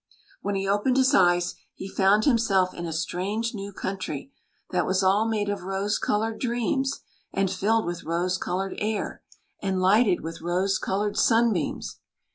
When he opened his eyes, he found himself in a strange new country, that was all made of rose coloured dreams, and filled with rose coloured air, and lighted with rose coloured 156 THE LADY DAFFODILIA sunbeams.